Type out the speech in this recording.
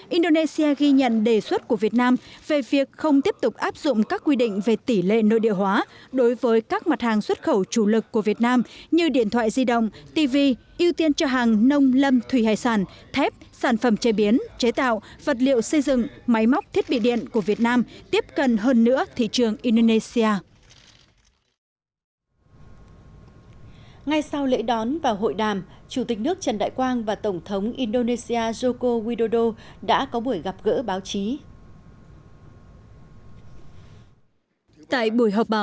chủ tịch nước trần đại quang và tổng thống joko widodo cho rằng hai bên vẫn còn nhiều tiềm năng và thế mạnh có thể khai thác